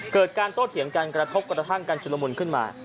เกิดการโต้เถียงกันกระทบกระทั่งกันชุดละมุนขึ้นมา